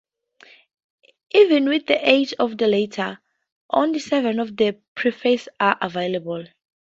Even with the aid of the latter, only seven of the prefaces are available.